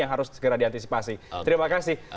yang harus segera diantisipasi terima kasih